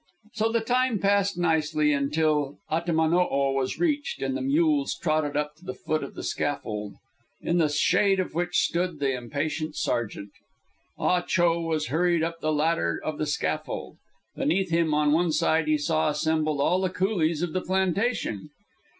So the time passed nicely until Atimaono was reached and the mules trotted up to the foot of the scaffold, in the shade of which stood the impatient sergeant. Ah Cho was hurried up the ladder of the scaffold. Beneath him on one side he saw assembled all the coolies of the plantation.